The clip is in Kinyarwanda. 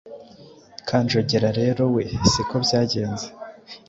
Kanjogera rero we siko byagenze